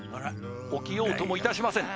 起きようともいたしません